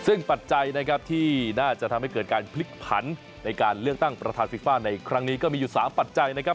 ซึ่งปัจจัยนะครับที่น่าจะทำให้เกิดการพลิกผันในการเลือกตั้งประธานฟีฟ่าในครั้งนี้ก็มีอยู่๓ปัจจัยนะครับ